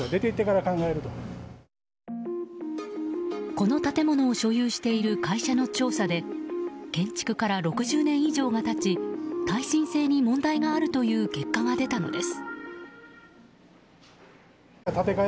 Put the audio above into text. この建物を所有している会社の調査で建築から６０年以上が経ち耐震性に問題があるという結果が出たのです。